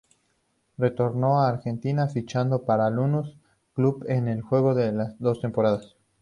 Retornó a Argentina, fichando para Lanús, club en el que jugó dos temporadas.